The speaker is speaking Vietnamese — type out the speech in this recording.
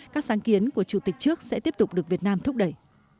các sáng kiến của chủ tịch trước sẽ tiếp tục được việt nam thúc đẩy